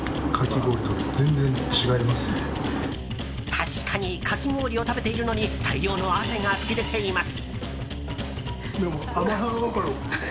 確かにかき氷を食べているのに大量の汗が噴き出ています。